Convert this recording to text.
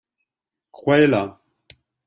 Croyez-la.